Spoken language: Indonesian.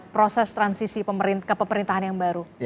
proses transisi ke pemerintahan yang baru